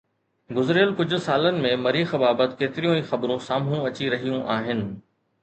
گذريل ڪجهه سالن ۾ مريخ بابت ڪيتريون ئي خبرون سامهون اچي رهيون آهن